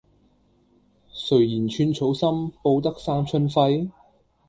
誰言寸草心，報得三春輝？